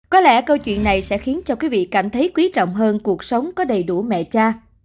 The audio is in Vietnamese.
có lẽ câu chuyện này sẽ khiến cho quý vị cảm thấy quý trọng hơn cuộc sống có đầy đủ mẹ cha